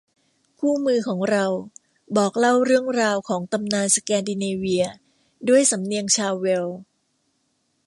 คู่มือของเราบอกเล่าเรื่องราวของตำนานสแกนดิเนเวียด้วยสำเนียงชาวเวลส์